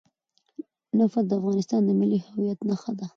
نفت د افغانستان د ملي هویت نښه ده.